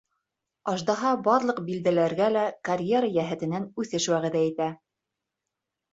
Аждаһа барлыҡ билдәләргә лә карьера йәһәтенән үҫеш вәғәҙә итә.